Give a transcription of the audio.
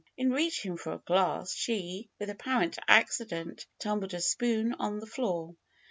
In reaching for a glass, she, with apparent accident, tumbled a spoon on the floor.